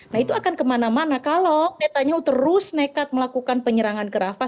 nah itu akan kemana mana kalau netanyahu terus nekat melakukan penyerangan ke rafah